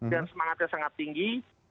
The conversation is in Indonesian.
dan semangatnya sangat tinggi